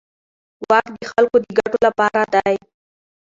واک د خلکو د ګټو لپاره دی.